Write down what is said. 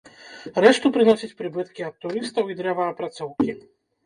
Рэшту прыносяць прыбыткі ад турыстаў і дрэваапрацоўкі.